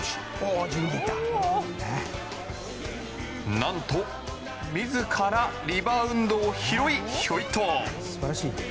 何と、自らリバウンドを拾いひょいっと。